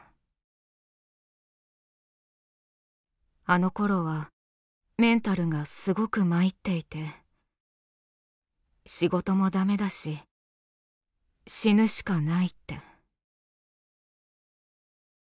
「あの頃はメンタルがすごく参っていて仕事もダメだし死ぬしかないって」。